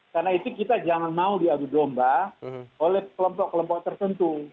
karena itu kita jangan mau diadu domba oleh kelompok kelompok tertentu